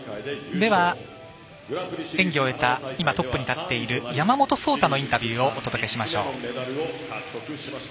演技を終えた今トップに立っている山本草太のインタビューをお届けしましょう。